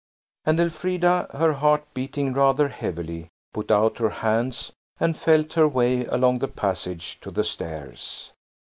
And Elfrida, her heart beating rather heavily, put out her hands and felt her way along the passage to the stairs.